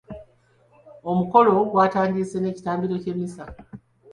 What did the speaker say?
Omukolo gwatandise n'ekitambiro ky'emmisa.